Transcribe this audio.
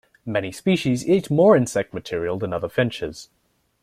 Many species eat more insect material than other finches.